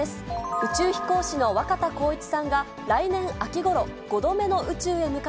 宇宙飛行士の若田光一さんが、来年秋ごろ、５度目の宇宙へ向か